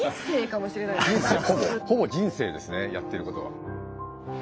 ほぼ人生ですねやってることは。